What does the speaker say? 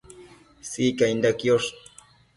Secainda quiosh